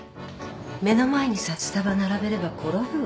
目の前に札束並べれば転ぶわ。